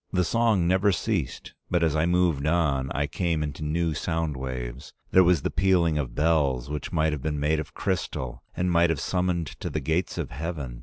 The song never ceased, but as I moved on I came into new sound waves. There was the pealing of bells which might have been made of crystal, and might have summoned to the gates of heaven.